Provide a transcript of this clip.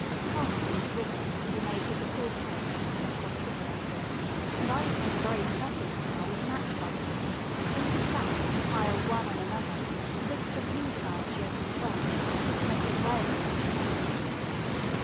Ponds and rivers can be made with the silver paper that comes off cigarettes, and I have made a very impressive tower with match boxes, painted black and piled one on another so that the blue side shows in front, with a touch of red at each side.